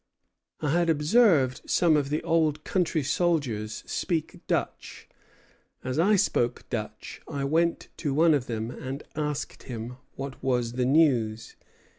I had observed some of the old country soldiers speak Dutch; as I spoke Dutch, I went to one of them and asked him what was the news.